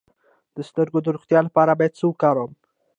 د سترګو د روغتیا لپاره باید څه وکاروم؟